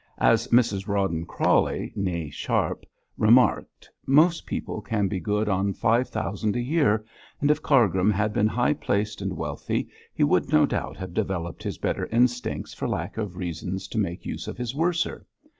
As Mrs Rawdon Crawley, née Sharp, remarked, most people can be good on five thousand a year; and if Cargrim had been high placed and wealthy he would no doubt have developed his better instincts for lack of reasons to make use of his worser.